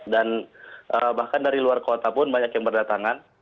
dan bahkan dari luar kota pun banyak yang berdatangan